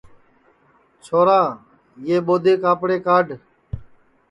چھورا یہ ٻودَے کاپڑے کاڈھ